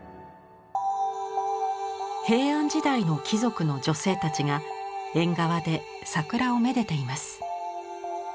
平安時代の貴族の女性たちが縁側で桜をめでています。